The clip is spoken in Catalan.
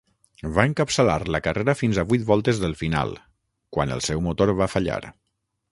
Va encapçalar la carrera fins a vuit voltes del final, quan el seu motor va fallar.